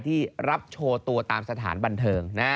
ที่รับโชว์ตัวตามสถานบันเทิง